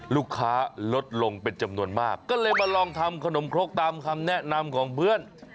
ลูกค้าลดลงเป็นจำนวนมากก็เลยมาลองทำขนมครกตามคำแนะนำของเพื่อน